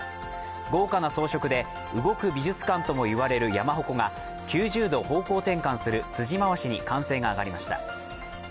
豪華な装飾で動く美術館ともいわれる山鉾が９０度方向転換する辻回しに歓声が上がりました。